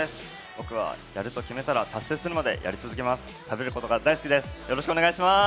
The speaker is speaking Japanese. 僕はやると決めたら達成するまでやり続けます。